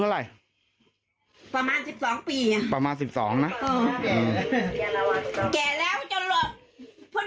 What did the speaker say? ออกจากห้องไปคนออกจากห้อง